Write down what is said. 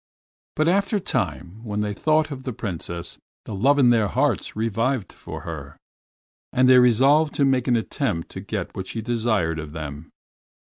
But after a time, when they thought of the Princess, the love in their hearts revived for her, and they resolved to make an attempt to get what she desired of them.